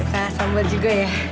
ya sambal juga ya